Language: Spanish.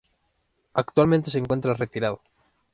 Actualmente se encuentra Retirado.